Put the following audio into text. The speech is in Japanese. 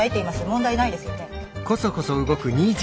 問題ないですよね？